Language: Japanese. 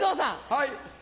はい。